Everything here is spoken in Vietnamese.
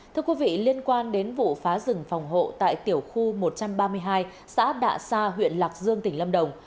thưa quý vị liên quan đến vụ phá rừng phòng hộ tại tiểu khu một trăm ba mươi hai xã đạ sa huyện lạc dương tỉnh lâm đồng